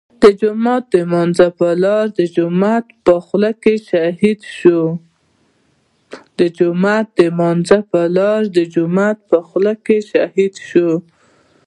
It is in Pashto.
د جماعت د لمانځه پر لار د جومات په خوله کې شهيد شو.